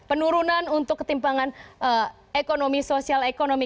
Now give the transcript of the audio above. penurunan untuk ketimpangan ekonomi sosial ekonomi